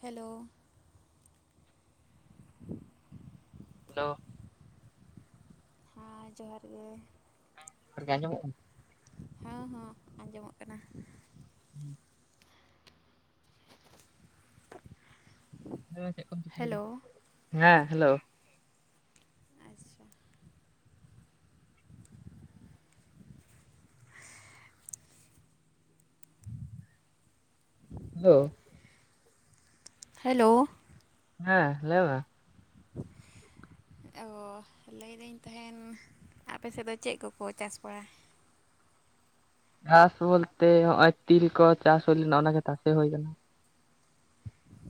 Hello hello ᱦᱟᱸ ᱡᱚᱦᱟᱨ ᱜᱮ ᱡᱚᱦᱟᱨᱜᱮ ᱟᱡᱚᱢᱚᱜ ᱠᱟᱱᱟ ᱦᱚᱸ ᱦᱚᱸ ᱟᱸᱡᱚᱢᱚᱜ ᱠᱟᱱᱟ ᱦᱩᱸ ᱟᱫᱚ ᱪᱮᱫ ᱠᱚᱢ ᱪᱤᱠᱟᱹᱭᱮᱫᱟ? ᱦᱮᱞᱳ ᱦᱮᱸ ᱦᱮᱞᱳᱣ ᱟᱪᱪᱷᱟ ᱦᱮᱞᱳᱣ ᱦᱮᱞᱳᱣ ᱦᱮᱸ ᱞᱟᱹᱭ ᱢᱮ ᱮᱸ ᱜᱳ ᱞᱟᱹᱭᱫᱟᱹᱧ ᱛᱟᱦᱮᱱ ᱟᱯᱮ ᱥᱮᱫ ᱫᱚ ᱪᱮᱫ ᱠᱚᱠᱚ ᱪᱟᱥ ᱵᱟᱲᱟᱭ ᱜᱷᱟᱥ ᱵᱚᱞᱛᱮ ᱱᱚᱜ ᱚᱭ ᱛᱤᱞ ᱠᱚ ᱪᱟᱥ ᱦᱩᱭ ᱞᱮᱱᱟ ᱚᱱᱟᱜᱮ ᱛᱟᱥᱮ ᱦᱩᱭ ᱠᱟᱱᱟ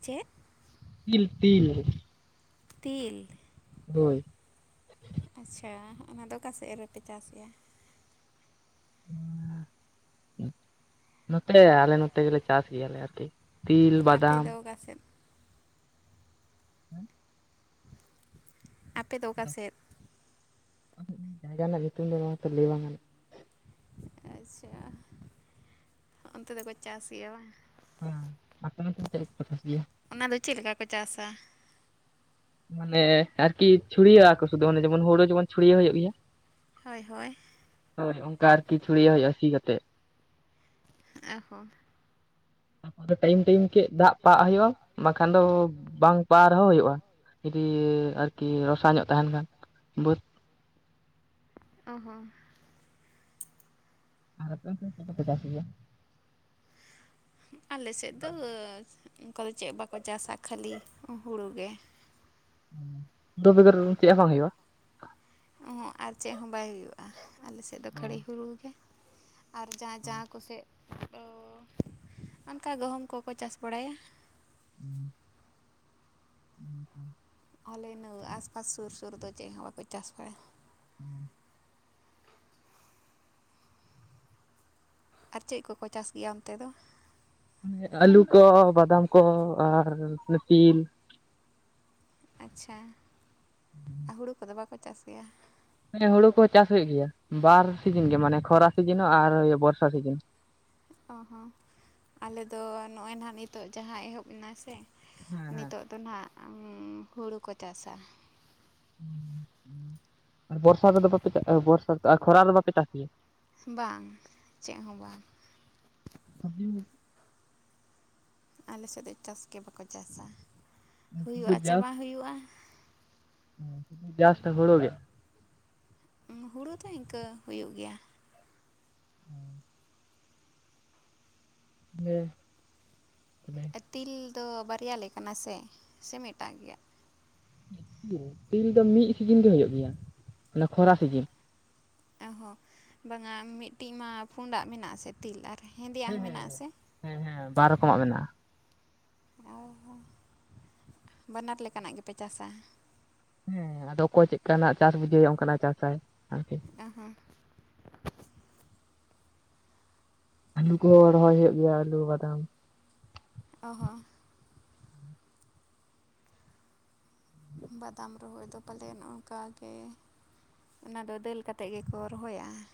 ᱪᱮᱫ ᱛᱤᱞ ᱛᱤᱞ ᱛᱤᱞ ᱦᱳᱭ ᱟᱪᱪᱷᱟ ᱚᱱᱟᱫᱚ ᱚᱠᱟ ᱥᱮᱫ ᱨᱮᱯᱮ ᱪᱟᱥᱮᱜᱼᱟ? ᱱᱚᱛᱮ ᱟᱞᱮ ᱱᱚᱛᱮ ᱜᱮᱞᱮ ᱪᱟᱥ ᱜᱮᱭᱟᱞᱮ ᱟᱨᱠᱤ ᱛᱤᱞ ᱟᱯᱮ ᱵᱟᱫᱟᱢ ᱫᱚ ᱚᱠᱟ ᱥᱮᱫ? ᱦᱮᱸ ᱟᱯᱮ ᱫᱚ ᱚᱠᱟ ᱥᱮᱫ? ᱡᱟᱭᱜᱟ ᱨᱮᱱᱟᱜ ᱧᱩᱛᱩᱢ ᱫᱚ ᱱᱚᱣᱟᱛᱮ ᱞᱟᱹᱭ ᱵᱟᱝ ᱜᱟᱱᱚᱜ᱾ ᱟᱪᱪᱷᱟ ᱚᱱᱛᱮ ᱫᱚᱠᱚ ᱪᱟᱥ ᱜᱮᱭᱟ ᱵᱟ᱾ ᱦᱮ ᱟᱯᱮ ᱚᱱᱛᱮ ᱪᱮᱫ [unintelligible] ᱯᱛᱟᱥ ᱜᱮ ᱚᱱᱟ ᱫᱚ ᱪᱮᱫ ᱞᱮᱠᱟ ᱠᱚ ᱪᱟᱥᱟ? ᱢᱟᱱᱮ ᱟᱨᱠᱤ ᱪᱷᱩᱲᱭᱟᱹᱣ ᱟᱠᱚ ᱥᱩᱫᱩ ᱡᱮᱢᱚᱱ ᱦᱩᱲᱩ ᱡᱮᱢᱚᱱ ᱪᱩᱲᱭᱟᱹᱣ ᱦᱩᱭᱩᱜ ᱜᱮᱭᱟ᱾ ᱦᱳᱭ ᱦᱳᱭ ᱦᱳᱭ ᱚᱱᱠᱟ ᱟᱨᱠᱤ ᱪᱷᱩᱲᱭ ᱦᱳᱭᱳᱜ ᱟ ᱥᱤ ᱠᱟᱛᱮᱜ᱾ ᱟ ᱦᱚᱸ ᱴᱟᱭᱤᱢ ᱴᱟᱭᱤᱢ ᱠᱮᱜ ᱫᱟᱜ ᱯᱟᱜ ᱦᱩᱭᱩᱜᱼᱟ ᱵᱟᱠᱷᱟᱱ ᱫᱚ ᱵᱟᱝ ᱯᱟᱣᱟᱣ ᱨᱮᱦᱚᱸ ᱦᱩᱭᱩᱜᱼᱟ᱾ ᱡᱩᱫᱤ [unintelligible] ᱟᱨᱠᱤ ᱨᱚᱥᱟ ᱧᱚᱜ ᱛᱟᱦᱮᱱ ᱠᱷᱟᱱ ᱵᱟᱹᱫᱽ ᱚ ᱦᱚᱸ ᱟᱨ ᱪᱟᱥᱭᱟ [unintelligible] [inaudible] ᱟᱞᱮ ᱥᱮᱫ ᱫᱚ ᱚᱱᱠᱟ ᱫᱚ ᱪᱮᱫ ᱵᱟᱠᱚ ᱪᱟᱥᱟ ᱠᱷᱟᱹᱞᱤ ᱦᱩᱲᱩ ᱜᱮ ᱾ ᱫᱩ ᱵᱤᱜᱚᱨ ᱪᱮᱫ ᱦᱚᱸ ᱵᱟᱝ ᱦᱩᱭᱩᱜᱼᱟ? ᱚᱸᱦᱚᱜ ᱟᱨ ᱪᱮᱫ ᱦᱚᱸ ᱵᱟᱭ ᱦᱩᱭᱩᱜᱼᱟ ᱟᱞᱮ ᱥᱮᱫ ᱫᱚ ᱠᱷᱟᱹᱲᱤ ᱦᱩᱲᱩ ᱜᱮ᱾ ᱟᱨ ᱡᱟᱦᱟᱸ ᱡᱟᱦᱟᱸ ᱠᱚᱥᱮᱫ ᱫᱚ ᱚᱱᱠᱟ ᱜᱚᱦᱚᱢ ᱠᱚᱠᱚ ᱪᱟᱥ ᱵᱟᱲᱟᱭᱟ᱾ ᱦᱮᱸ [unintelligible] ᱦᱮᱸ ᱦᱮᱸ ᱟᱞᱮᱱᱟᱹ ᱟᱥᱯᱟᱥ ᱥᱩᱨ ᱥᱩᱨ ᱫᱚ ᱪᱮᱫ ᱦᱚᱸ ᱵᱟᱠᱚ ᱪᱟᱥ ᱵᱟᱲᱟᱭᱟ᱾ ᱦᱮᱸ ᱟᱨ ᱪᱮᱫ ᱠᱚᱠᱚ ᱪᱟᱥ ᱜᱮᱭᱟ ᱚᱱᱛᱮ ᱫᱚ ᱟᱹᱞᱩ ᱠᱚ ᱵᱟᱫᱟᱢ ᱠᱚ ᱟᱨ ᱚᱱᱮ ᱛᱤᱞ ᱟᱪᱪᱷᱟ ᱟ ᱦᱩᱲᱩ ᱠᱚᱫᱚ ᱵᱟᱠᱚ ᱪᱟᱥ ᱜᱮᱭᱟ᱾ ᱦᱮᱸ ᱦᱩᱲᱩ ᱠᱚᱦᱚᱸ ᱪᱟᱥ ᱦᱩᱭᱩᱜ ᱜᱮᱭᱟ ᱵᱟᱨ ᱥᱤᱡᱤᱱ ᱜᱮ ᱢᱟᱱᱮ ᱠᱷᱚᱨᱟ ᱥᱤᱡᱤᱱ ᱦᱚᱸ ᱟᱨ ᱵᱚᱨᱥᱟ ᱥᱤᱡᱤᱱ ᱚ ᱦᱚᱸ ᱟᱞᱮᱫᱚ ᱱᱚᱜᱼᱚᱭ ᱱᱟᱦᱟᱜ ᱱᱤᱛᱚᱜ ᱡᱟᱦᱟᱸ ᱮᱦᱚᱵ ᱮᱱᱟ ᱥᱮ ᱦᱮᱸ ᱦᱮᱸ ᱱᱤᱛᱚᱜ ᱫᱚ ᱱᱟᱸᱜ ᱦᱩᱲᱩ ᱠᱚ ᱪᱟᱥᱟ᱾ ᱟᱨ ᱵᱚᱨᱥᱟ ᱨᱮᱫᱚ ᱵᱟᱯᱮᱪᱟ ᱵᱚᱨᱥᱟ ᱟᱨ ᱠᱷᱚᱨᱟ ᱨᱮᱫᱚ ᱵᱟᱯᱮ ᱪᱟᱥ ᱜᱮᱭᱟ᱾ ᱵᱟᱝ ᱪᱮᱫ ᱦᱚᱸ ᱵᱟᱝ [unintelligible] ᱟᱞᱮ ᱥᱮᱫ ᱫᱚ ᱪᱟᱥ ᱜᱮ ᱵᱟᱠᱚ ᱪᱟᱥᱼᱟ ᱾ ᱦᱩᱭᱩᱜᱼᱟ ᱪᱮ ᱵᱟᱝ ᱦᱩᱭᱩᱜᱼᱟ ᱾ ᱡᱟᱥᱴ ᱦᱩᱲᱩ ᱜᱮ? ᱦᱩᱲᱩ ᱫᱚ ᱤᱱᱠᱟᱹ ᱦᱩᱭᱩᱜ ᱜᱮᱭᱟ ᱾ ᱚᱸ ᱦᱮᱸ [unintelligible] ᱛᱤᱞ ᱫᱚ ᱵᱟᱨᱭᱟ ᱞᱮᱠᱟᱱᱟ ᱥᱮ᱾ ᱥᱮ ᱢᱮᱫᱴᱟᱝ ᱜᱮᱭᱟ? ᱛᱤᱞ ᱫᱚ ᱢᱤᱫ ᱥᱤᱡᱤᱱ ᱜᱮ ᱦᱩᱭᱩᱜ ᱜᱮᱭᱟ ᱢᱟᱱᱮ ᱠᱷᱚᱨᱟ ᱥᱤᱡᱤᱱ ᱾ ᱚ ᱦᱚᱸ ᱵᱟᱝᱟ ᱢᱤᱫᱴᱤᱡ ᱢᱟ ᱯᱩᱸᱰᱟᱜ ᱢᱮᱱᱟᱜᱼᱟᱥᱮ ᱛᱤᱞ ᱟᱨ ᱦᱮᱸᱫᱮᱭᱟᱜ ᱦᱮᱸ ᱦᱚᱸ ᱢᱮᱱᱟᱜ ᱟ ᱦᱮᱸ ᱥᱮ? ᱦᱮᱸ ᱦᱮᱸ ᱵᱟᱨ ᱨᱚᱠᱚᱢᱟᱜ ᱢᱮᱱᱟᱜᱼᱟ ᱾ ᱚ ᱦᱚᱸ ᱵᱟᱱᱟᱨ ᱞᱮᱠᱟᱱᱟᱜ ᱜᱮᱯᱮ ᱪᱟᱥᱟ? ᱦᱮᱸ ᱟᱫᱚ ᱚᱠᱚᱭ ᱪᱮᱫ ᱞᱮᱠᱟᱱᱟᱜ ᱪᱟᱥ ᱵᱩᱡᱷᱟᱹᱣ ᱚᱱᱠᱟᱱᱟᱜ ᱪᱟᱥᱟᱭ ᱾ ᱟ ᱦᱚ ᱟᱹᱞᱩ ᱠᱚᱦᱚᱸ ᱨᱚᱦᱚᱭ ᱦᱩᱭᱩᱜ ᱜᱮᱭᱟ ᱟᱞᱩ ᱵᱟᱫᱟᱢ ᱾ ᱚ ᱦᱚᱸ ᱵᱟᱫᱟᱢ ᱨᱚᱦᱚᱭ ᱫᱚ ᱯᱟᱞᱮᱱ ᱝᱠᱟᱜᱮ᱾ ᱚᱱᱟ ᱫᱚ ᱫᱟᱹᱞ ᱠᱟᱛᱮᱫ ᱜᱮᱠᱚ ᱨᱚᱦᱚᱭᱟ ᱾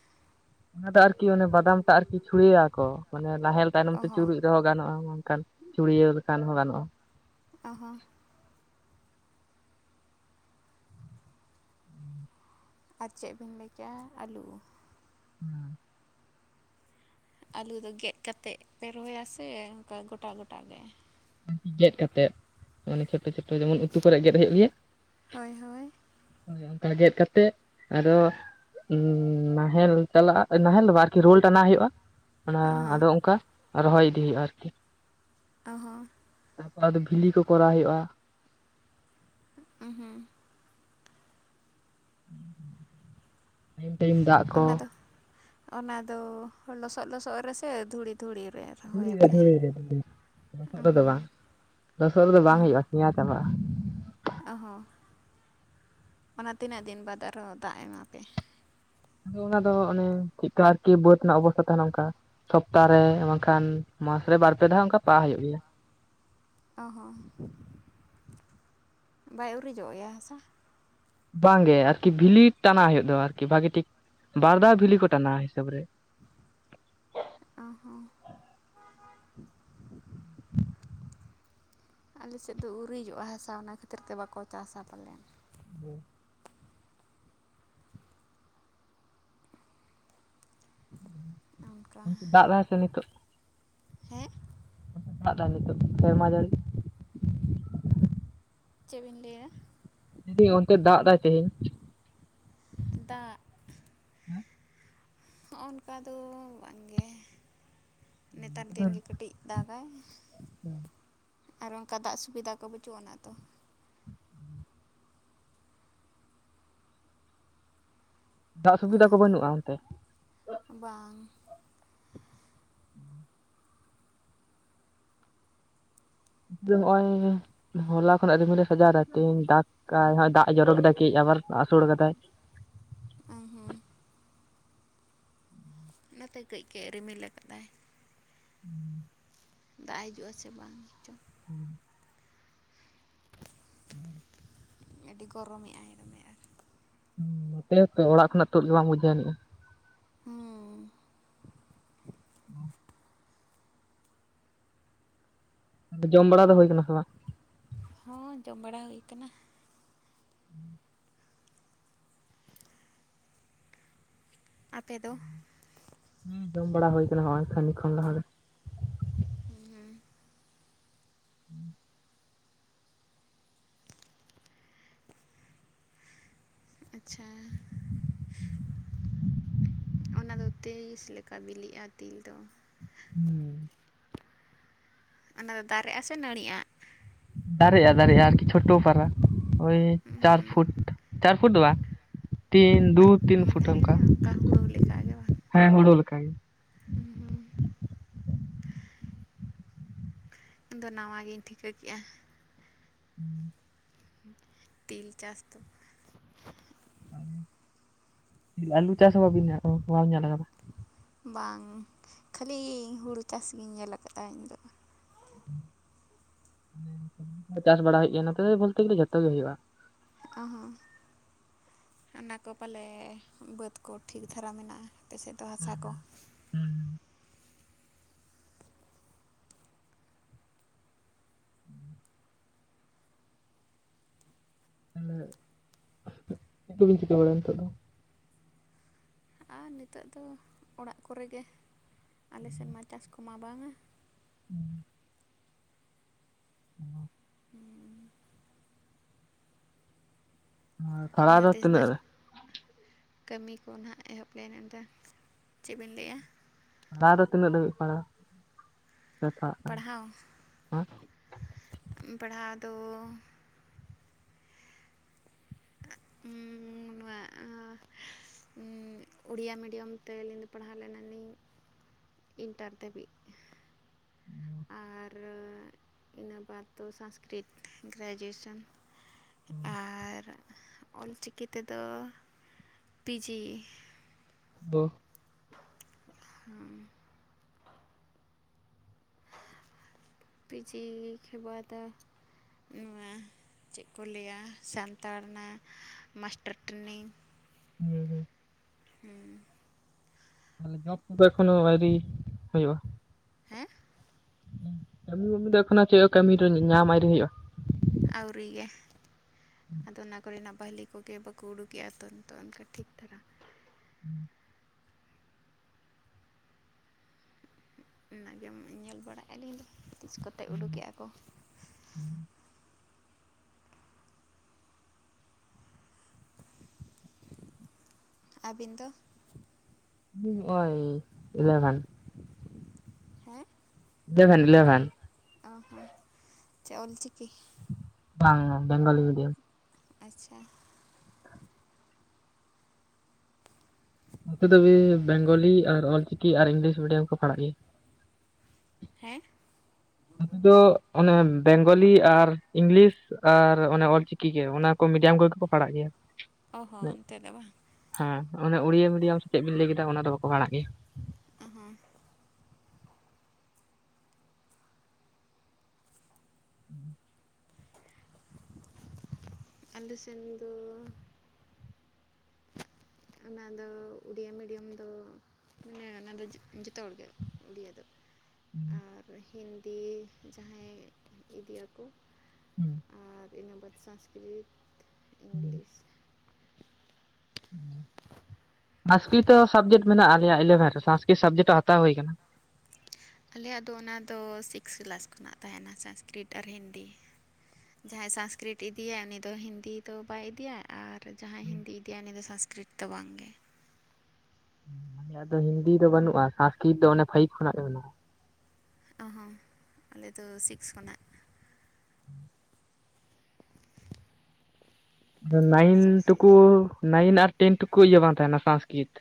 ᱚᱱᱟ ᱫᱚ ᱟᱨᱠᱤ ᱚᱱᱮ ᱵᱟᱫᱟᱢ ᱴᱟᱜ ᱟᱨᱠᱤ ᱪᱷᱩᱲᱮᱭᱟ ᱠᱚ ᱢᱟᱱᱮ ᱱᱟᱦᱮᱞ ᱛᱟᱭᱱᱚᱢ ᱚ ᱛᱮ ᱦᱚᱸ ᱪᱩᱨᱩᱡ, ᱦᱚ ᱜᱟᱱᱚᱜᱼᱟ ᱚᱱᱠᱟᱱ ᱪᱩᱲᱭᱟᱹᱣ ᱞᱮᱠᱷᱟᱱ ᱦᱚᱸ ᱜᱟᱱᱚᱜᱼᱟ ᱾ ᱟᱦᱟ ᱟᱨ ᱪᱮᱫ ᱵᱤᱱ ᱞᱟᱹᱭᱠᱮᱜᱼᱟ ᱟᱹᱞᱩ? ᱦᱩᱸ ᱟᱹᱞᱩ ᱫᱚ ᱜᱮᱫ ᱠᱟᱛᱮᱫ ᱯᱮ ᱨᱚᱦᱚᱭᱟ ᱥᱮ ᱚᱱᱠᱟ ᱜᱚᱴᱟ ᱜᱚᱴᱟᱜᱮ? ᱜᱮᱫ ᱠᱟᱛᱮᱫ ᱢᱟᱱᱮ ᱪᱷᱳᱴᱳ ᱪᱷᱳᱴᱳ ᱡᱮᱢᱚᱱ ᱩᱛᱩ ᱠᱚᱨᱮ ᱜᱮᱫ ᱦᱩᱭᱩᱜ ᱜᱮᱭᱟ ᱾ ᱦᱳᱭ ᱦᱳᱭ ᱚᱱᱠᱟ ᱜᱮᱫ ᱠᱟᱛᱮᱜ ᱟᱫᱚ ᱦ ᱱᱟᱦᱮᱞ ᱪᱟᱞᱟᱜ ᱱᱟᱦᱮᱞ ᱫᱚ ᱟᱨᱠᱤ ᱨᱳᱞ ᱴᱟᱱᱟ ᱦᱩᱭᱩᱜᱼᱟ ᱾ ᱚᱱᱟ ᱚ ᱦᱚᱸ ᱟᱫᱚ ᱚᱱᱠᱟ ᱨᱚᱦᱚᱭ ᱤᱫᱤ ᱦᱩᱭᱩᱜᱼᱟ ᱟᱨᱠᱤ ᱾ ᱚᱦ ᱦᱚᱸ [unintelligible] ᱵᱤᱞᱤ ᱠᱚ ᱠᱚᱨᱟᱣ ᱦᱩᱭᱩᱜᱼᱟ ᱾ ᱦᱸ ᱦᱩᱸ ᱦᱩᱸ ᱚᱱᱟ ᱫᱚ ᱚᱱᱟ ᱫᱚ ᱞᱚᱥᱚᱫ ᱞᱚᱥᱚᱫ ᱨᱮᱥᱮ ᱫᱷᱩᱲᱤ ᱫᱷᱩᱲᱤ ᱨᱮ? ᱫᱷᱩᱲᱤ ᱨᱮ ᱨᱚᱦᱚᱭᱟᱯᱮ ᱫᱷᱲᱤᱤ ᱞᱚᱥᱚᱫ ᱨᱮᱫᱚ ᱚᱦᱚᱸ ᱵᱟᱝ ᱞᱚᱥᱚᱫ ᱨᱮᱫᱚ ᱵᱟᱝ ᱦᱩᱭᱩᱜᱼᱟ ᱯᱮᱸᱭᱟ ᱪᱟᱵᱟᱜᱼᱟ ᱾ ᱚ ᱦᱚᱸ ᱚᱱᱟ ᱛᱤᱱᱟᱹᱜ ᱫᱤᱱ ᱵᱟᱫ ᱟᱨᱦᱚᱸ ᱫᱟᱜ ᱮᱢᱟ ᱯᱮ? ᱟᱫᱚ ᱚᱱᱟ ᱫᱚ ᱚᱱᱮ ᱪᱮᱫ ᱠᱚ ᱟᱨᱠᱤ ᱵᱟᱹᱫ ᱨᱮᱱᱟᱜ ᱚᱵᱚᱥᱛᱷᱟ ᱛᱟᱦᱮᱱᱟ ᱚᱱᱠᱟ ᱾ ᱥᱚᱯᱛᱟᱨᱮ ᱵᱟᱝᱠᱷᱟᱱ ᱢᱟᱥ ᱨᱮ ᱵᱟᱨᱯᱮ ᱫᱷᱟᱣ ᱚᱱᱠᱟ ᱯᱟᱦ ᱦᱩᱭᱩᱜ ᱜᱮᱭᱟ ᱾ ᱚ ᱦᱚᱸ ᱵᱟᱭ ᱩᱨᱤᱡᱚᱜ ᱮᱭᱟ ᱦᱟᱥᱟ? ᱵᱟᱝᱜᱮ ᱟᱨᱠᱤ ᱵᱷᱤᱞᱤ ᱴᱟᱱᱟ ᱦᱩᱭᱩᱜ ᱫᱚ ᱟᱨᱠᱤ ᱵᱷᱟᱜᱤ ᱴᱷᱤᱠ ᱵᱟᱨ ᱫᱷᱟᱣ ᱵᱷᱤᱞᱤ ᱠᱚ ᱴᱟᱱᱟᱼᱟ ᱦᱤᱥᱟᱹᱵ ᱨᱮ ᱾ ᱚ ᱦᱚᱸ ᱟᱞᱮᱥᱮᱫ ᱫᱚ ᱩᱨᱤᱡᱚᱜᱼᱟ ᱦᱟᱥᱟ ᱚᱱᱟ ᱠᱷᱟᱹᱛᱤᱨ ᱛᱮ ᱵᱟᱠᱚ ᱪᱟᱥᱟ ᱯᱟᱞᱮᱱ ᱾ ᱦᱮᱸ [unintelligible] ᱫᱟᱜ ᱞᱟᱦ ᱥᱮ ᱱᱤᱛᱚᱜ ᱦᱮ ᱫᱟᱜ ᱫᱟᱭ ᱱᱤᱛᱚᱜ ᱥᱮᱨᱢᱟ ᱡᱟᱹᱲᱤ ᱪᱮᱫ ᱵᱤᱱ ᱞᱟᱹᱭᱫᱟ? ᱡᱫᱤ ᱚᱱᱛᱮ ᱫᱟᱜ ᱮᱟᱭ ᱛᱮᱦᱤᱧ? ᱫᱟᱜ ᱦᱚᱜᱼ ᱱᱚᱱᱠᱟ ᱫᱚ ᱵᱟᱝᱜᱮ ᱱᱮᱛᱟᱨ ᱫᱤᱱᱜᱮ ᱠᱟᱹᱴᱤᱡ ᱾ ᱫᱟᱜᱼᱟᱭ ᱟᱨ ᱚᱱᱠᱟ ᱫᱟᱜ ᱥᱩᱵᱤᱫᱟ ᱠᱚ ᱵᱟᱹᱪᱩᱜᱼᱟ ᱚᱱᱟ ᱛᱚ ᱫᱟᱜ ᱥᱩᱵᱤᱫᱟ ᱚᱱᱟ ᱠᱚ ᱫᱚ ᱵᱟᱹᱱᱩᱜᱼᱟ ᱚᱱᱛᱮ ᱵᱟᱝ ᱦᱩᱸ ᱦᱚᱸᱜᱼᱚᱭ ᱦᱚᱞᱟ ᱛᱚᱠᱷᱚᱱ ᱫᱟᱜ ᱨᱤᱢᱮᱞᱮ ᱥᱟᱡᱟᱣ ᱫᱟᱭ ᱛᱦᱮᱧ ᱫᱟᱜ ᱟᱭ ᱦᱟᱸᱜ ᱫᱟᱜ ᱮ ᱡᱚᱨᱚ ᱠᱮᱫᱟᱭ ᱠᱟᱹᱡ ᱟᱵᱟᱨ ᱟᱹᱥᱩᱲ ᱠᱟᱫᱟᱭ ᱚ ᱦᱮᱸ ᱱᱚᱛᱮ ᱠᱟᱹᱡ ᱠᱟᱹᱡ ᱮ ᱨᱤᱢᱤᱞ ᱠᱟᱫᱟᱭ ᱦᱩᱸ ᱫᱟᱜ ᱦᱤᱡᱩᱜᱼᱟ ᱥᱮ ᱵᱟᱝ ᱦᱮᱸᱪᱚ ᱦᱩᱸ ᱦᱮᱸ ᱟᱹᱰᱤ ᱜᱚᱨᱚᱢᱮᱜ ᱟᱭ ᱫᱚᱢᱮ ᱟᱨ ᱱᱚᱛᱮ ᱚᱲᱟᱜ ᱠᱷᱚᱱᱟᱜ ᱛᱩᱫ ᱜᱮ ᱵᱟᱝ ᱵᱩᱡᱷᱟᱹᱣ ᱟᱹᱱᱤᱡᱼᱟ ᱦᱮᱸ ᱡᱚᱢ ᱵᱟᱲᱟ ᱫᱚ ᱦᱩᱭ ᱠᱟᱱᱟ ᱥᱮ ᱵᱟᱝ ᱦᱚᱸ ᱡᱚᱢ ᱵᱟᱲᱟ ᱦᱩᱭ ᱠᱟᱱᱟ ᱦᱩᱸ ᱟᱯᱮ ᱫᱚ ᱦᱩᱸ ᱡᱚᱢ ᱵᱟᱲᱟ ᱦᱩᱭ ᱠᱟᱱᱟ ᱱᱚᱸᱜᱼᱚᱭ ᱠᱷᱟᱹᱱᱤ ᱠᱷᱚᱱ ᱞᱟᱦᱟ ᱨᱮ ᱦᱩᱸ ᱦᱩᱸ ᱦᱩᱸ ᱟᱪᱪᱷᱟ ᱚᱱᱟᱫᱚ ᱛᱤᱥ ᱞᱮᱠᱟ ᱵᱤᱞᱤᱜᱼᱟ ᱛᱤᱞ ᱫᱚ ᱦᱩᱸ ᱚᱱᱟ ᱫᱚ ᱫᱟᱨᱮᱜᱼᱟ ᱥᱮ ᱱᱟᱹᱲᱤᱜᱼᱟ? ᱫᱟᱨᱮᱜᱼᱟ ᱫᱟᱨᱮᱜᱼᱟ ᱟᱨᱠᱤ ᱪᱷᱳᱴᱳ ᱯᱟᱨᱟ ᱳᱭ ᱪᱟᱨ ᱯᱷᱩᱴ ᱪᱟᱨ ᱯᱷᱩᱴ ᱫᱚ ᱵᱟ ᱛᱤᱱ ᱫᱩ ᱛᱤᱱ ᱯᱷᱩᱴ ᱚᱱᱠᱟ ᱦᱮ ᱚᱝᱠᱟ ᱦᱩᱲᱟᱹ ᱞᱮᱠᱟᱜᱮ ᱵᱟᱝ ᱦᱮᱸ ᱦᱩᱲᱩ ᱞᱮᱠᱟ ᱜᱮ ᱦᱩᱸ ᱦᱩᱸ ᱤᱧᱫᱚ ᱱᱟᱣᱟ ᱜᱤᱧ ᱴᱷᱤᱠᱟᱹ ᱠᱮᱜᱼᱟ᱾ ᱦᱩᱸ ᱛᱤᱞ ᱪᱟᱥ ᱫᱚ᱾ ᱟᱹᱞᱩ ᱪᱟᱥ ᱦᱚᱸ ᱵᱟᱤᱱ ᱧᱮᱞ [inaudible] ᱧᱮᱞ ᱠᱟᱫᱟ? ᱵᱟᱝ ᱠᱷᱟᱹᱞᱤ ᱤᱧ ᱦᱩᱲᱩ ᱪᱟᱥᱜᱮᱧ ᱧᱮᱞ ᱠᱟᱜᱼᱟ ᱤᱧᱫᱚ᱾ ᱪᱟᱥ ᱵᱟᱲᱟ ᱦᱩᱭᱩᱜ ᱜᱮᱭᱟ ᱱᱚᱛᱮ ᱫᱚ ᱵᱚᱞᱛᱮ ᱜᱮᱞᱮ ᱡᱷᱚᱛᱚ ᱜᱮ ᱦᱩᱭᱩᱜᱼᱟ᱾ ᱚ ᱦᱚᱸ ᱚᱱᱟ ᱠᱚ ᱯᱟᱞᱮ ᱵᱟᱹᱫᱽ ᱠᱚ ᱴᱷᱤᱠ ᱫᱷᱟᱨᱟ ᱢᱮᱱᱟᱜᱼᱟ ᱟᱯᱮ ᱥᱮᱫ ᱫᱚ ᱦᱟᱥᱟ ᱠᱚ ᱛᱟᱦᱚᱞᱮ ᱱᱤᱛᱚᱜ ᱫᱚᱵᱤᱱ ᱪᱤᱠᱟᱹ ᱵᱟᱲᱟᱭᱟ ᱱᱤᱛᱚᱜ ᱫᱚ ᱟᱨ ᱱᱤᱛᱚᱜ ᱫᱚ ᱚᱲᱟᱜ ᱠᱚᱨᱮᱜᱮ ᱟᱞᱮᱥᱮᱫ ᱢᱟ ᱪᱟᱥ ᱠᱚᱢᱟ ᱵᱟᱝᱟ᱾ ᱦᱩᱸ ᱚ ᱯᱟᱲᱦᱟᱣ ᱫᱚ ᱡᱟᱦᱟᱸᱛᱤᱥ ᱛᱤᱱᱟᱹᱜ ᱱᱟᱦᱜ ᱨᱮ ᱠᱟᱹᱢᱤ ᱠᱚ ᱱᱟᱦᱟᱜ ᱮᱦᱚᱵ ᱞᱮᱱ ᱮᱱ ᱮᱝᱠᱟ ᱪᱮᱫᱵᱤᱱ ᱞᱟᱹᱭ ᱮᱜᱼᱟ? ᱛᱟᱣᱨᱮᱦᱚ ᱛᱤᱱᱟᱹᱜ ᱫᱷᱟᱵᱤᱡ ᱯᱟᱲᱦᱟ ᱯᱟᱲᱦᱟᱣ ᱯᱟᱲᱦᱟᱣ ᱫᱚ ᱩ ᱱᱚᱣᱟ ᱟ ᱩᱸ ᱩᱲᱤᱭᱟ ᱢᱤᱰᱤᱭᱟᱢ ᱛᱮᱞᱤᱧ ᱫᱚ ᱯᱟᱲᱦᱟᱣ ᱞᱮᱱᱟ ᱞᱤᱧ ᱤᱱᱴᱟᱨ ᱫᱷᱟᱹᱵᱤᱡ᱾ ᱟᱨ ᱤᱱᱟᱹ ᱵᱟᱫ ᱫᱚ ᱥᱚᱝᱥᱠᱨᱤᱛ ᱜᱨᱮᱡᱩᱭᱮᱥᱚᱱ ᱟᱨ ᱚᱞᱪᱤᱠᱤ ᱛᱮᱫᱚ ᱯᱤ ᱡᱤ ᱫᱚ ᱦᱩᱸ ᱯᱤ ᱡᱤ ᱠᱷᱤᱨ ᱵᱟᱫ ᱱᱚᱣᱟ ᱪᱮᱫ ᱠᱚ ᱞᱟᱹᱭᱟ ᱥᱟᱱᱛᱟᱲ ᱨᱮᱱᱟᱜ ᱢᱟᱥᱴᱟᱨ ᱴᱨᱮᱱᱤᱝ ᱦᱩᱸ ᱦᱩᱸ ᱦᱩᱸ ᱛᱟᱦᱚᱞᱮ ᱡᱚᱵ ᱠᱚᱫᱚ ᱮᱠᱷᱚᱱᱳ ᱟᱭᱨᱤ ᱦᱩᱭᱩᱜ-ᱟ? ᱦᱮᱸ ᱠᱟᱹᱢᱤ ᱢᱟᱹᱢᱤ ᱫᱚ ᱮᱠᱷᱚᱱᱳ ᱪᱮᱫ ᱦᱚᱸ ᱠᱟᱹᱢᱤ ᱨᱮ ᱧᱟᱢ ᱟᱭᱨᱤ ᱦᱩᱭᱩᱜ-ᱟ? ᱟᱹᱣᱨᱤ ᱜᱮ ᱟᱫᱚ ᱚᱱᱟ ᱠᱚ ᱨᱮᱱᱟᱜ ᱱᱟᱯᱟᱭ ᱞᱤᱠ ᱠᱩ ᱜᱮ ᱵᱟᱠᱚ ᱩᱰᱩᱠᱮᱜ-ᱟ ᱛᱚ ᱱᱤᱛᱚᱜ ᱚᱱᱠᱟ ᱴᱷᱤᱠ ᱟ᱾ ᱦᱩᱸ ᱚᱱᱟᱜᱮᱢ ᱧᱮᱞ ᱵᱟᱲᱟᱭᱮᱫ ᱟᱞᱤᱧ ᱛᱤᱥ ᱠᱚᱛᱮ ᱩᱰᱩᱠᱮᱜ-ᱟ ᱠᱚ? ᱦᱩᱸ ᱟᱵᱤᱱ ᱫᱚ? ᱟᱞᱤᱧ ᱱᱚᱜ-ᱚᱭ ᱤᱞᱵᱷᱮᱱ᱾ ᱦᱮᱸ ᱤᱞᱮᱵᱷᱮᱱ ᱤᱞᱮᱵᱷᱮᱱ ᱚ ᱦᱚᱸ ᱪᱮ ᱚᱞ ᱪᱤᱠᱤ᱾ ᱵᱟᱝᱼᱟ ᱵᱮᱝᱜᱚᱞᱤ ᱢᱤᱰᱤᱭᱟᱢ᱾ ᱟᱪᱪᱷᱟ ᱱᱚᱛᱮ ᱫᱚ ᱵᱮᱝᱜᱚᱞᱤ ᱟᱨ ᱚᱞᱪᱤᱠᱤ ᱟᱨ ᱤᱝᱞᱤᱥ ᱢᱤᱰᱤᱭᱟᱢ ᱠᱚ ᱯᱟᱲᱟᱜ ᱜᱮᱭᱟ᱾ ᱦᱮᱸ ᱟᱯᱮ ᱫᱚ ᱚᱱᱮ ᱵᱮᱝᱜᱚᱞᱤ ᱟᱨ ᱤᱝᱞᱤᱥ᱾ ᱟᱨ ᱚᱱᱮ ᱚᱞᱪᱤᱠᱤ ᱜᱮ ᱚᱱᱟ ᱠᱚ ᱢᱤᱰᱤᱭᱟᱢ ᱠᱚᱜᱮ ᱠᱚ ᱯᱟᱲᱟᱜ ᱜᱮᱭᱟ᱾ ᱚ ᱦᱚᱸ ᱚᱱᱛᱮ ᱫᱚ ᱵᱟᱝ ᱦᱮᱸ ᱚᱱᱮ ᱩᱲᱤᱭᱟ ᱢᱤᱰᱤᱭᱟᱢ ᱥᱮ ᱪᱮᱫ ᱵᱤᱱ ᱞᱟᱹᱭ ᱠᱮᱫᱟ ᱚᱱᱟ ᱫᱚ ᱵᱟᱠᱚ ᱯᱟᱲᱟᱜ ᱜᱮᱭᱟ᱾ [unintelligible] [unintelligible] ᱟᱞᱮ ᱥᱮᱱ ᱫᱚ᱾ ᱚᱱᱟᱫᱚ ᱩᱰᱤᱭᱟᱹ ᱢᱤᱰᱤᱭᱟᱢ ᱫᱚ᱾ ᱢᱟᱱᱮ ᱚᱱᱟ ᱫᱚ ᱡᱚ ᱡᱚᱛᱚ ᱦᱚᱲᱜᱮ ᱩᱰᱤᱭᱟᱹ ᱫᱚ᱾ ᱟᱨ ᱦᱤᱱᱫᱤ ᱡᱟᱦᱟᱸᱭ ᱤᱫᱤᱭᱟ ᱠᱚ᱾ ᱦᱩᱸ ᱤᱱᱟᱹ ᱵᱟᱫ ᱥᱟᱥᱠᱨᱤᱛ ᱤᱝᱞᱤᱥ ᱥᱟᱥᱠᱨᱤᱛᱚ ᱥᱟᱵᱽᱡᱮᱠᱴ ᱢᱮᱱᱟᱜᱼᱟ᱾ ᱟᱞᱮᱭᱟᱜ ᱤᱞᱮᱵᱷᱮᱱ ᱨᱮ ᱥᱟᱥᱠᱨᱤᱛ ᱥᱟᱵᱽᱡᱮᱠᱴ ᱦᱚᱸ ᱦᱟᱛᱟᱣ ᱦᱩᱭᱟᱠᱟᱱᱟ ᱾ ᱟᱞᱮᱭᱟᱜ ᱫᱚ ᱚᱱᱟ ᱫᱚ ᱥᱤᱠᱥ ᱠᱞᱟᱥ ᱠᱷᱚᱱᱟᱜ ᱛᱟᱦᱮᱱᱟ ᱥᱟᱱᱥᱠᱨᱤᱛ ᱟᱨ ᱦᱤᱱᱫᱤ᱾ ᱡᱟᱦᱟᱸᱭ ᱥᱟᱱᱥᱠᱨᱤᱛ ᱤᱫᱤᱭᱟᱭ ᱩᱱᱤ ᱫᱚ ᱦᱤᱱᱫᱤ ᱫᱚ ᱵᱟᱭ ᱤᱫᱤᱭᱤᱭᱟ ᱟᱨ ᱟᱨ ᱡᱟᱦᱟᱸᱭ ᱦᱤᱱᱫᱤ ᱤᱫᱤᱭᱟ ᱩᱱᱤ ᱫᱚ ᱥᱚᱝᱥᱠᱨᱤᱛ ᱫᱚ ᱵᱟᱝ ᱜᱮ ᱾ ᱟᱞᱮᱭᱟᱜ ᱫᱚ ᱦᱤᱱᱫᱤ ᱫᱚ ᱵᱟᱹᱱᱩᱜᱼᱟ ᱥᱟᱝᱥᱠᱨᱤᱛ ᱫᱚ ᱚᱱᱮ ᱯᱷᱟᱭᱤᱵ ᱠᱷᱚᱱᱟᱜ ᱜᱮ ᱢᱮᱱᱟᱜ ᱼᱟ ᱾ ᱚ ᱦᱚᱸ ᱟᱞᱮᱫ ᱫᱚ ᱥᱤᱠᱥ ᱠᱷᱚᱱᱟᱜ ᱾ [inaudible] [inaudible] ᱱᱟᱭᱤᱱ ᱥᱤᱠᱥ ᱠᱞᱟᱥ ᱴᱩᱠᱩ ᱱᱟᱭᱤᱱ ᱟᱨ ᱴᱮᱱ ᱴᱩᱠᱩ ᱤᱭᱟᱹ ᱵᱟᱝ ᱛᱟᱦᱮᱱᱟ ᱥᱟᱥᱠᱨᱤᱛ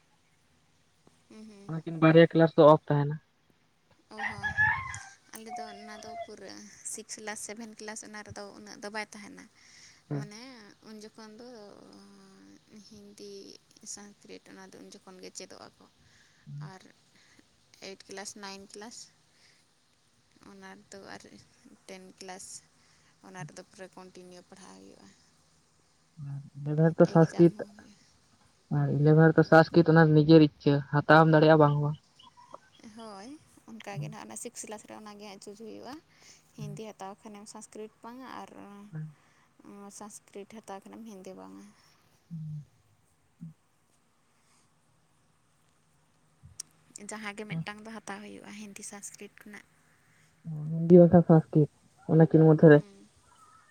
ᱦᱩᱸ ᱦᱩᱸ ᱾ ᱚᱱᱟᱠᱤᱱ ᱵᱟᱨᱭᱟ ᱠᱮᱞᱟᱥ ᱫᱚ ᱚᱯᱷ ᱛᱟᱦᱮᱱᱟ ᱾ ᱚᱦᱚ ᱾ ᱟᱞᱮ ᱫᱚ ᱚᱱᱟ ᱫᱚ ᱯᱩᱨᱟᱹ ᱥᱤᱠᱥ ᱠᱞᱟᱥ, ᱥᱮᱵᱷᱮᱱ ᱠᱞᱟᱥ ᱚᱱᱟ ᱨᱮᱫᱚ ᱩᱱᱟᱹᱜ ᱫᱚ ᱵᱟᱭ ᱛᱟᱦᱮᱱᱟ ᱾ ᱢᱟᱱᱮ ᱩᱱ ᱡᱚᱠᱷᱚᱱ ᱫᱚ ᱦᱤᱱᱫᱤ, ᱥᱚᱝᱥᱠᱨᱤᱛ ᱚᱱᱟᱫᱚ ᱩᱱ ᱡᱚᱠᱷᱚᱱ ᱜᱮ ᱪᱮᱫᱚᱜ ᱟᱠᱚ ᱾ ᱟᱨ ᱮᱭᱤᱴ ᱠᱮᱞᱟᱥ, ᱱᱟᱭᱤᱱ ᱠᱞᱟᱥ ᱚᱱᱟ ᱫᱚ ᱟᱨ ᱴᱮᱱ ᱠᱞᱟᱥ ᱚᱱᱟ ᱨᱮᱫᱚ ᱯᱩᱨᱟᱹ ᱠᱚᱱᱴᱤ ᱱᱤᱭᱩ ᱯᱟᱲᱦᱟᱣ ᱦᱩᱭᱩᱜᱼᱟ᱾ ᱱᱤᱭᱟ ᱫᱷᱟᱶ ᱮᱠᱡᱟᱢ ᱥᱚᱝᱥᱠᱨᱤᱛ ᱦᱚᱸ ᱦᱩᱭᱩᱜᱼᱟ ᱟᱨ ᱤᱞᱮᱵᱷᱮᱱ ᱨᱮᱫᱚ ᱥᱟᱥᱠᱮᱛᱚ ᱚᱱᱟ ᱱᱤᱡᱮᱨ ᱤᱪᱪᱷᱟᱹ ᱦᱟᱛᱟᱣ ᱦᱚᱢ ᱫᱟᱲᱮᱭᱟᱜᱼᱟ ᱵᱟᱝ ᱵᱟᱝ ᱦᱳᱭ ᱚᱱᱠᱟᱜᱮ ᱱᱟᱦᱟᱸᱜ ᱚᱱᱟ ᱥᱤᱠᱥ ᱠᱞᱟᱥ ᱨᱮ ᱚᱱᱟᱜᱮ ᱦᱟᱸᱜ ᱪᱩᱡᱽ ᱦᱩᱭᱩᱜᱼᱟ ᱦᱤᱱᱫᱤ ᱦᱟᱛᱟᱣ ᱠᱷᱟᱱᱮᱢ ᱥᱟᱝᱥᱠᱨᱤᱴ ᱵᱟᱝᱟ ᱟᱨ ᱥᱟᱝᱥᱠᱨᱤᱴ ᱦᱟᱛᱟᱣ ᱠᱷᱟᱱᱮᱢ ᱦᱤᱱᱫᱤ ᱵᱟᱝᱟ ᱦᱩᱸ ᱡᱟᱦᱟᱸᱜᱮ ᱢᱤᱫᱴᱟᱱ ᱫᱚ ᱦᱟᱛᱟᱣ ᱦᱩᱭᱩᱜᱼᱟ ᱦᱤᱱᱫᱤ ᱥᱚᱝᱥᱠᱨᱤᱛ ᱠᱷᱚᱱᱟᱜ ᱦᱤᱱᱫᱤ ᱵᱟᱠᱷᱟᱱ ᱥᱟᱝᱥᱠᱨᱤᱛ ᱚᱱᱟ ᱠᱱᱤᱨ ᱢᱚᱫᱷᱮ ᱨᱮ ᱦᱮᱸ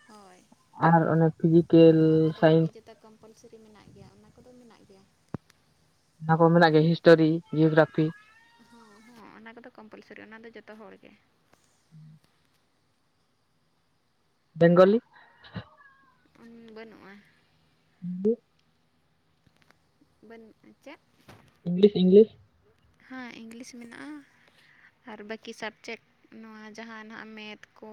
ᱦᱳᱭ ᱟᱨ ᱚᱱᱮ ᱯᱷᱤᱡᱤᱠᱮᱞ ᱥᱟᱭᱮᱱᱥᱼᱼ ᱠᱚᱢᱯᱟᱞᱥᱨᱤ ᱢᱮᱱᱟᱜ ᱜᱮᱭᱟ ᱚᱱᱟ ᱠᱚᱫᱚ ᱢᱮᱱᱟᱜ ᱜᱮᱭᱟ᱾ ᱚᱱᱟ ᱠᱚ ᱢᱮᱱᱟᱜ ᱜᱮᱭᱟ ᱦᱤᱥᱴᱳᱨᱤ ᱡᱤᱭᱳᱜᱨᱟᱯᱷᱤ᱾ ᱦᱚᱸ ᱦᱚᱸ ᱚᱱᱟ ᱠᱚᱫᱚ ᱠᱚᱢᱯᱟᱞ ᱥᱟᱨᱤ ᱚᱱᱟ ᱫᱚ ᱡᱚᱛᱚ ᱦᱚᱲ ᱜᱮ᱾ [inaudible] ᱵᱮᱝᱜᱚᱞᱤᱼᱼ ᱵᱟᱹᱱᱩᱜᱼᱟ᱾ [unintelligible] [unintelligible] ᱪᱮᱫ ᱤᱝᱞᱤᱥ ᱤᱝᱞᱤᱥ ᱦᱮᱸ ᱤᱝᱞᱤᱥ ᱢᱮᱱᱟᱜᱼᱟ ᱾ ᱟᱨ ᱵᱟᱹᱠᱤ ᱥᱟᱵᱽᱡᱮᱠᱴ ᱱᱚᱣᱟ ᱡᱟᱦᱟ ᱱᱟᱦᱟᱜ ᱢᱮᱛ ᱠᱚ